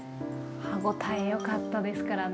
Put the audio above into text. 歯応えよかったですからね